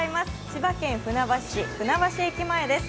千葉県船橋市、船橋駅前です